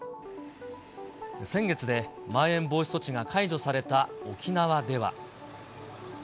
先月でまん延防止措置が解除された沖縄では。